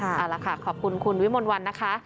เอาละค่ะขอบคุณคุณวิมลวันนะคะ